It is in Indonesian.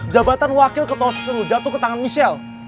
jabatan wakil ketua jatuh ke tangan michelle